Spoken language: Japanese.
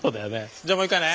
じゃあもう一回ね。